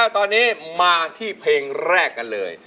ตอนนี้มาที่เพลงแรกกันเลย